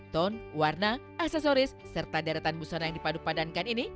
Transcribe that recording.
ton warna aksesoris serta deretan pusana yang dipadupadankan ini